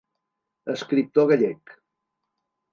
Escriptor gallec.